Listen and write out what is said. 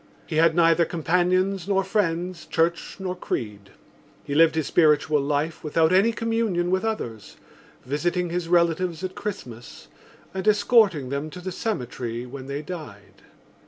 He had neither companions nor friends, church nor creed. He lived his spiritual life without any communion with others, visiting his relatives at Christmas and escorting them to the cemetery when they died.